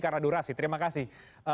selamat malam terima kasih